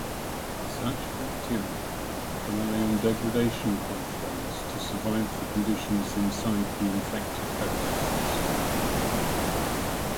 Such bacteria rely on degradation pathways to survive the conditions inside the infected hosts.